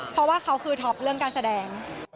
เพราะว่าเขาคือท็อปเรื่องการแสดง